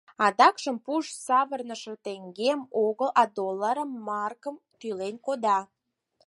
Адакшым пуш савырныше теҥгем огыл, а долларым, маркым тӱлен кода.